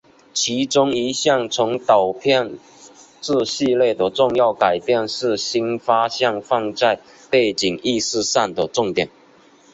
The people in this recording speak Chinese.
其中一项从导片至系列的重要改变是新发现放在背景艺术上的重点。